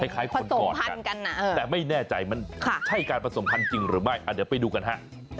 คล้ายคนก่อนแต่ไม่แน่ใจมันใช่การผสมพันธุ์จริงหรือไม่เดี๋ยวไปดูกันฮะ